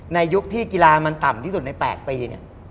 ยุคที่กีฬามันต่ำที่สุดใน๘ปีเนี่ย